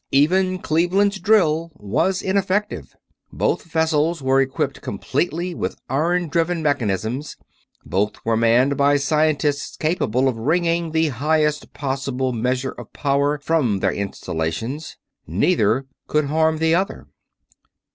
Even Cleveland's drill was ineffective. Both vessels were equipped completely with iron driven mechanisms; both were manned by scientists capable of wringing the highest possible measure of power from their installations. Neither could harm the other.